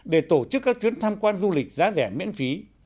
để tổ chức các chuyến tham quan du lịch giá rẻ miễn phí